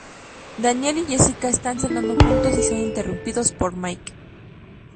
Daniel y Jessica están cenando juntos y son interrumpidos por Mike.